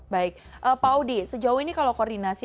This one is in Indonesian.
baik pak audi sejauh ini kalau koordinasi